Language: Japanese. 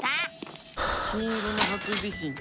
金色のハクビシン